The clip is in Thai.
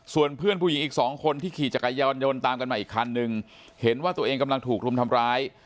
ส่วนเพื่อนผู้หญิงอีกสองคนที่ขี่จักรยานยนต์ตามกันมาอีกคันนึงเห็นว่าตัวเองกำลังถูกรุมทำร้าย